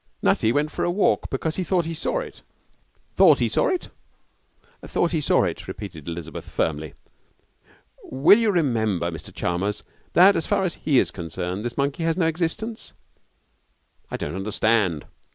'Nutty went for a walk because he thought he saw it.' 'Thought he saw it?' 'Thought he saw it,' repeated Elizabeth, firmly. 'Will you remember, Mr Chalmers, that, as far as he is concerned, this monkey has no existence?' 'I don't understand.'